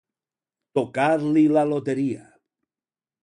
Tocar-li la loteria.